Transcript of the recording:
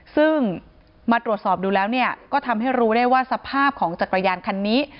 ซึ่งมาตรวจสอบดูแล้วก็ทำให้รู้ได้ว่าสภาพของจักรยานคันนี้